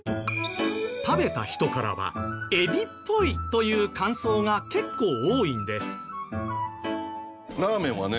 食べた人からはエビっぽいという感想が結構多いんです。